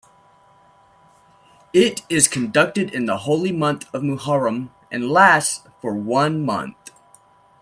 It is conducted in the holy month of muharram and lasts for one month.